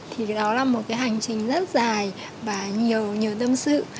thì đó là một cái hành trình rất dài và nhiều nhiều tâm sự